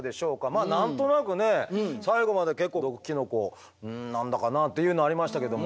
まあ何となくね最後まで結構毒キノコうん何だかなっていうのありましたけども。